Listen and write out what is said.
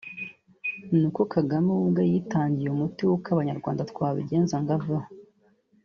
ni uko Kagame we ubwe yitangiye umuti w’uko abanyarwanda twabigenza ngo aveho